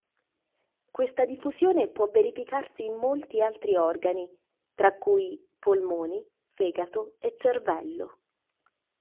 Questa diffusione può verificarsi in molti altri organi, tra cui: polmoni, fegato e cervello.